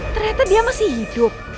ternyata dia masih hidup